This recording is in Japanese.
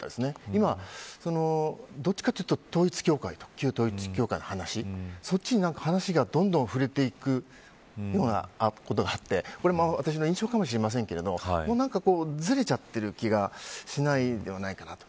今、どっちかというと旧統一教会そっちに話がどんどん振れていくことがあってこれも私の印象かもしれませんけど何かずれちゃっている気がしないでもないかなと。